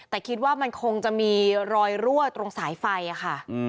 แต่คิดว่ามันคงจะมีรอยรั่วตรงสายไฟค่ะ